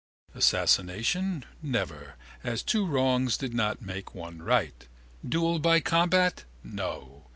Assassination, never, as two wrongs did not make one right. Duel by combat, no.